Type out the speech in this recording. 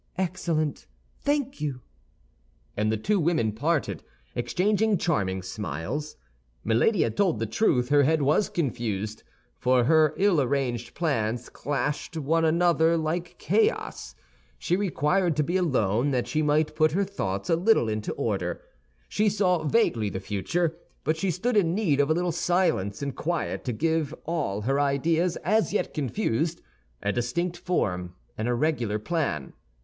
"Excellent; thank you!" And the two women parted, exchanging charming smiles. Milady had told the truth—her head was confused, for her ill arranged plans clashed one another like chaos. She required to be alone that she might put her thoughts a little into order. She saw vaguely the future; but she stood in need of a little silence and quiet to give all her ideas, as yet confused, a distinct form and a regular plan.